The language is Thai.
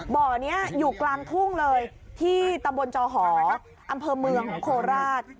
บ่อนี้อยู่กลางทุ่งเลยที่ตำบลจอหออำเภอเมืองของโคราช